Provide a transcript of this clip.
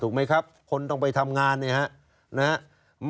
ไหมครับคนต้องไปทำงานเนี่ยครับ